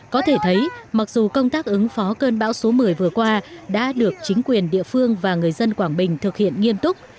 có thể thấy mặc dù công tác ứng phó cơn bão số một mươi vừa qua đã được chính quyền địa phương và người dân quảng bình thực hiện nghiêm túc